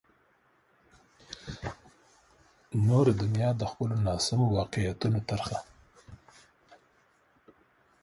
نوره دنیا د خپلو ناسمو واقعیتونو ترخه.